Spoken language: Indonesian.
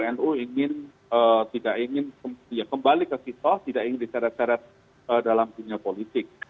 nu tidak ingin kembali ke kito tidak ingin diseret seret dalam dunia politik